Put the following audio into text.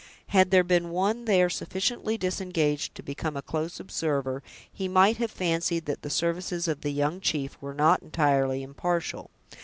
Had there been one there sufficiently disengaged to become a close observer, he might have fancied that the services of the young chief were not entirely impartial.